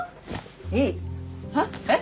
いいえっ？